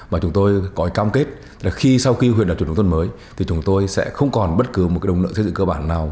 và chúng tôi có cam kết là khi sau khi huyện đạt chuẩn nông thôn mới thì chúng tôi sẽ không còn bất cứ một cái đồng nợ xây dựng cơ bản nào